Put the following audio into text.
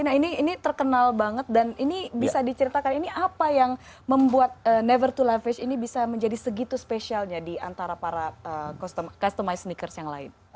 nah ini terkenal banget dan ini bisa diceritakan ini apa yang membuat never to levis ini bisa menjadi segitu spesialnya diantara para customize sneakers yang lain